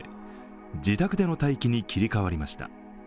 自宅での待機に切り替わりました。